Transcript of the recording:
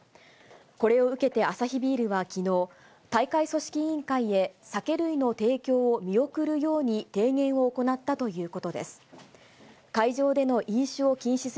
これを受けてアサヒビールはきのう、大会組織委員会へ、酒類の提供を見送るように提言を行ったということです。